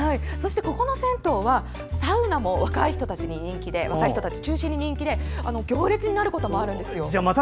ここの銭湯はサウナも若い人たちを中心に人気で行列になることもあるんですよ。